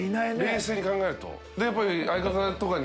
冷静に考えると。